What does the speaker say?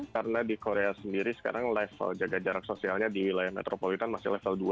karena di korea sendiri sekarang level jaga jarak sosialnya di wilayah metropolitan masih level dua